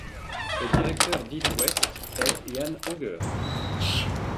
Le directeur d'Hit West est Yann Oger.